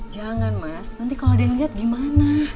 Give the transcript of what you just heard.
jangan mas nanti kalau ada yang lihat gimana